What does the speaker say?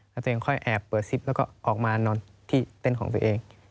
แล้วตัวเองค่อยแอบเปิดซิปแล้วก็ออกมานอนที่เต้นของตัวเอง